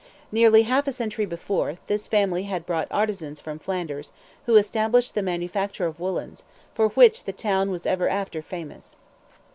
Nearly half a century before, this family had brought artizans from Flanders, who established the manufacture of woollens, for which the town was ever after famous.